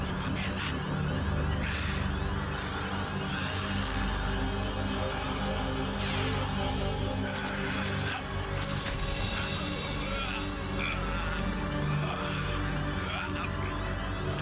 semuanya ditugangi pameran